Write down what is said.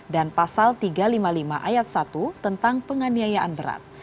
dan pasal tiga ratus lima puluh lima ayat satu tentang penganiayaan berat